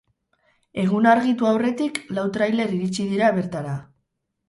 Egun argitu aurretik lau trailer iritsi dira bertara.